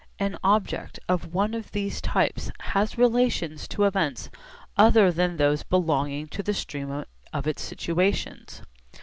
An object of one of these types has relations to events other than those belonging to the stream of its situations.